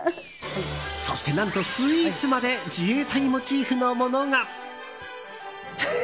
そして、何とスイーツまで自衛隊モチーフのものが。